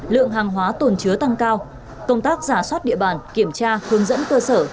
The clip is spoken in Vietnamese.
lượng hàng hóa tồn chứa tăng cao công tác giả soát địa bàn kiểm tra hướng dẫn cơ sở